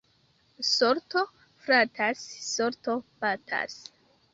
Sorto flatas, sorto batas.